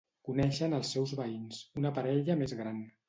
Coneixen els seus veïns, una parella més gran.